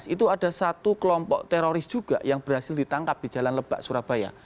dua ribu enam belas itu ada satu kelompok teroris juga yang berhasil ditangkap di jalan lebak surabaya